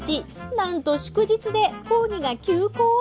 なんと祝日で講義が休講。